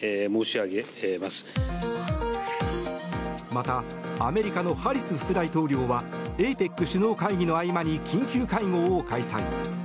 また、アメリカのハリス副大統領はＡＰＥＣ首脳会議の合間に緊急会合を開催。